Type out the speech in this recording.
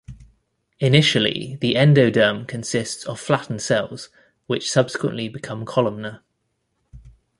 Initially, the endoderm consists of flattened cells, which subsequently become columnar.